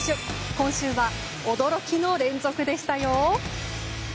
今週は驚きの連続でしたよ。